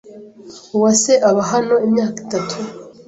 Uwase aba hano imyaka itatu.